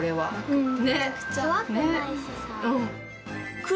うん。